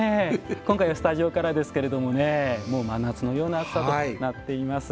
今回はスタジオからですけれどもね真夏のような暑さとなっています。